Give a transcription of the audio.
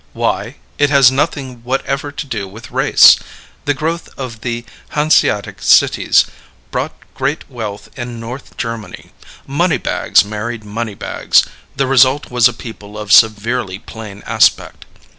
Why? It has nothing whatever to do with race. The growth of the Hanseatic cities brought great wealth in North Germany; money bags married money bags; the result was a people of severely plain aspect.